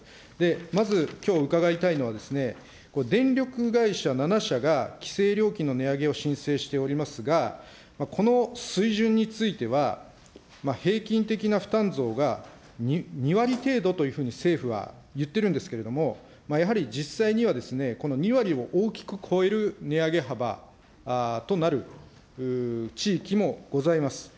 まず、きょう伺いたいのは、電力会社７社が、規制料金の値上げを申請しておりますが、この水準については、平均的な負担増が２割程度というふうに政府は言ってるんですけども、やはり実際にはですね、この２割を大きく超える値上げ幅となる地域もございます。